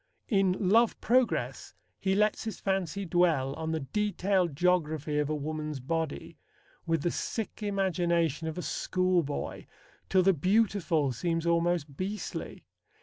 In Love Progress he lets his fancy dwell on the detailed geography of a woman's body, with the sick imagination of a schoolboy, till the beautiful seems almost beastly.